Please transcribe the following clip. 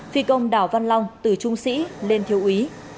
phi công đảo văn long từ trung sĩ lên thiếu úy